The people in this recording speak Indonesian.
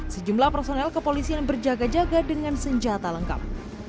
sejumlah personel kepolisian berjaga jaga dengan senjata lengkap